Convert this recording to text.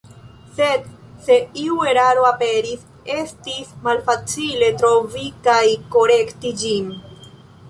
Sed se iu eraro aperis, estis malfacile trovi kaj korekti ĝin.